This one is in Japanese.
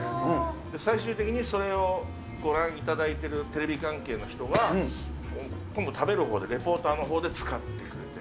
最終的にそれをご覧いただいているテレビ関係の方が、今度食べるほうで、レポーターのほうで使ってくれて。